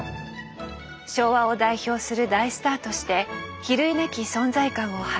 昭和を代表する大スターとして比類なき存在感を放った石原裕次郎。